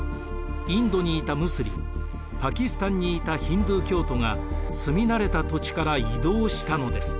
インドにいたムスリムパキスタンにいたヒンドゥー教徒が住み慣れた土地から移動したのです。